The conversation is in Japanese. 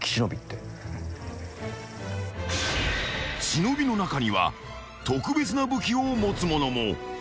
［忍の中には特別な武器を持つ者も］